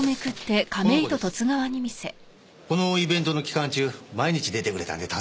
このイベントの期間中毎日出てくれたんで助かりました。